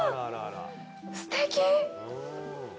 すてき！